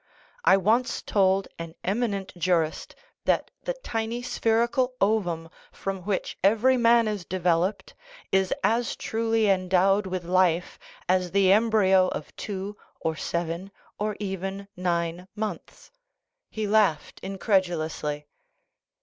I once told an eminent jurist that the tiny spherical ovum from w r hich every man is developed is as truly endowed with life as the embryo of two, or seven, or even nine months ; he laughed incredulously.